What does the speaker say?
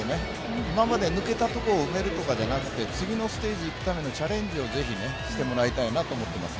今まで抜けたところを埋めるとかじゃなくて次のステージに行くためのチャレンジをしてもらいたいなと思っています。